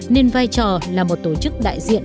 nên vai trò là một tổ chức đại diện